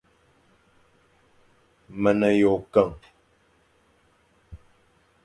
Me ne yʼôkeñ,